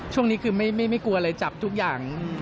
ช่วงนี้คือไม่กลัวอะไรจับทุกอย่าง